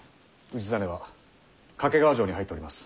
氏真は懸川城に入っております。